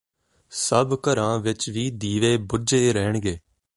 ਸਭ ਘਰਾਂ ਵਿਚ ਵੀ ਦੀਵੇ ਬੁੱਝੇ ਰਹਿਣਗੇ